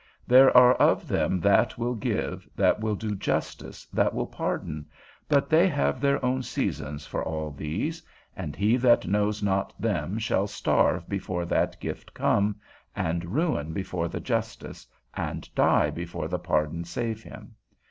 There are of them that will give, that will do justice, that will pardon, but they have their own seasons for all these, and he that knows not them shall starve before that gift come, and ruin before the justice, and die before the pardon save him.